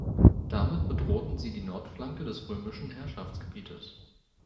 Damit bedrohten sie die Nordflanke des römischen Herrschaftsgebietes.